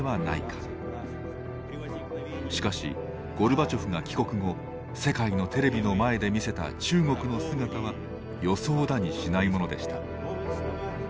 しかしゴルバチョフが帰国後世界のテレビの前で見せた中国の姿は予想だにしないものでした。